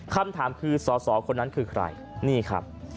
คำถามคือสอสอคนนั้นคือใครนี่ครับ